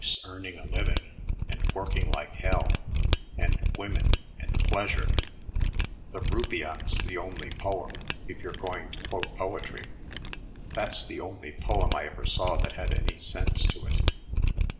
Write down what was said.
Life's earning a living, and working like hell, and women, and pleasure. The 'Rubaiyat' 's the only poem if you're going to quote poetry. That's the only poem I ever saw that had any sense to it.